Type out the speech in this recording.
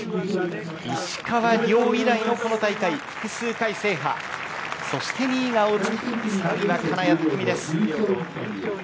石川遼以来の、この大会、複数回制覇、２位が大槻、３位が金谷拓実です。